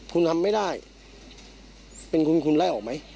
คุณทำไม่ได้เป็นคุณคุณไล่ออกไหม